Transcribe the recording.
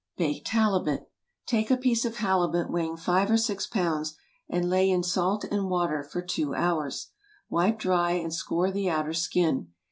BAKED HALIBUT. ✠ Take a piece of halibut weighing five or six pounds, and lay in salt and water for two hours. Wipe dry and score the outer skin.